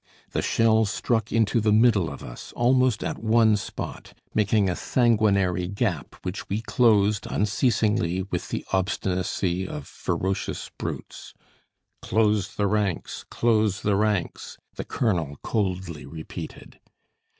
The shells struck into the middle of us, almost at one spot, making a sanguinary gap which we closed unceasingly with the obstinacy of ferocious brutes. "Close the ranks, close the ranks!" the colonel coldly repeated.